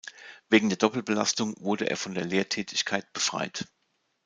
Wegen der Doppelbelastung wurde er von der Lehrtätigkeit befreit.